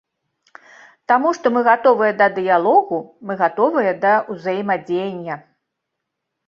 Таму што мы гатовыя да дыялогу, мы гатовыя да ўзаемадзеяння.